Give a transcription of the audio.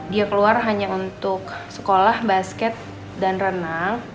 dia keluar hanya untuk sekolah basket dan renang